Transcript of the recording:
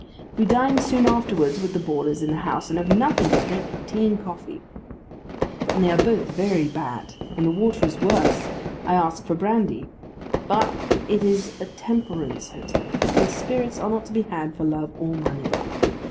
We dine soon afterwards with the boarders in the house, and have nothing to drink but tea and coffee. As they are both very bad and the water is worse, I ask for brandy; but it is a Temperance Hotel, and spirits are not to be had for love or money.